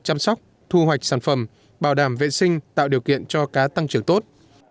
chăm sóc thu hoạch sản phẩm bảo đảm vệ sinh tạo điều kiện cho cá tăng trưởng tốt